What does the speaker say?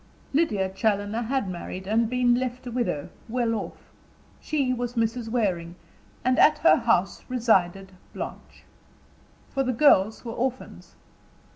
Lydia Challoner had married, and been left a widow, well off. She was Mrs. Waring; and at her house resided Blanche. For the girls were orphans.